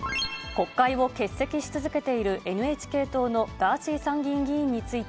国会を欠席し続けているＮＨＫ党のガーシー参議院議員について、